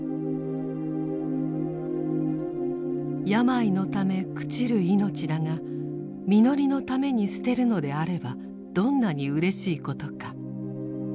病のため朽ちる命だがみのりのために捨てるのであればどんなにうれしいことか。